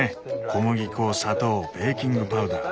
小麦粉砂糖ベーキングパウダー。